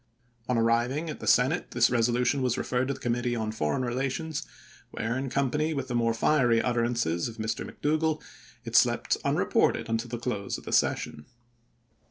On arriving at the Senate this resolution was referred to the Committee on Foreign Eelations, where, in company with the more fiery utterances of Mr. McDougall, it slept unreported until the close of the session.